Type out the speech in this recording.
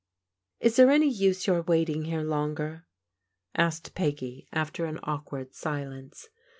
" Is there any use your waiting here longer? " asked Peggy after an awkward silence.